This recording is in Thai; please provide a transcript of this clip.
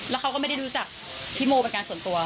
แล้วเขาก็ไม่ได้รู้จักพี่โมเป็นการส่วนตัว